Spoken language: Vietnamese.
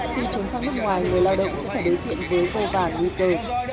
khi trốn sang nước ngoài người lao động sẽ phải đối diện với vô vản nguy cơ